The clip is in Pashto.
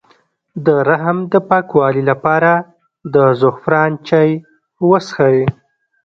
د رحم د پاکوالي لپاره د زعفران چای وڅښئ